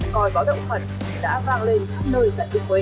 còi có động phần đã vang lên khắp nơi gần ukraine